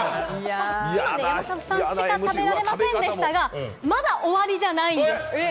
山里さんしか食べられませんでしたが、まだ終わりじゃないんです。